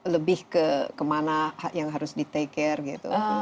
lebih kemana yang harus di take care